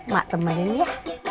mak temenin ya